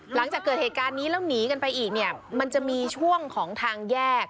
หลังจากเกิดเหตุการณ์นี้แล้วหนีกันไปอีกเนี่ยมันจะมีช่วงของทางแยก